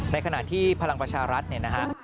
ในขณะที่พลังประชารัฐเนี่ยนะฮะ